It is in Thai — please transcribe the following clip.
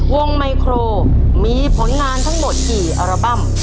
ไมโครมีผลงานทั้งหมดกี่อัลบั้ม